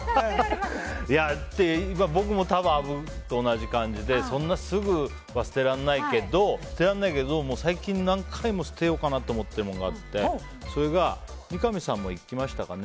僕も多分アブと同じ感じでそんな、すぐは捨てられないけど最近何回も捨てようかなと思ってるものがあってそれが三上さんも行きましたかね。